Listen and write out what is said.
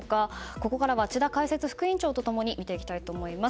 ここからは智田解説副委員長と共に見ていきたいと思います。